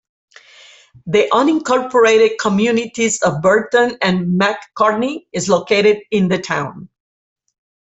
The unincorporated communities of Burton and McCartney is located in the town.